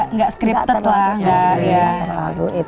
enggak scripted lah